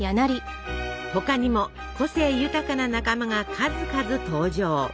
他にも個性豊かな仲間が数々登場。